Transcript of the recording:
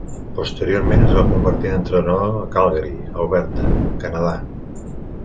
Posteriorment, es va convertir en entrenador a Calgary, Alberta, Canadà.